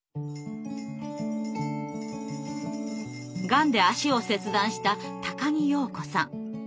がんで足を切断した木庸子さん。